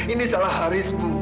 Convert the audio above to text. ini salah haris bu